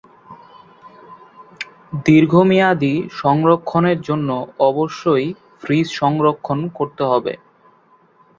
দীর্ঘমেয়াদি সংরক্ষণের জন্য অবশ্যই ফ্রিজ সংরক্ষণ করতে হবে।